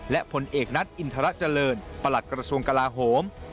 และผลเอกนัทอินทรเจริญประหลัดกระทรวงกลาโหม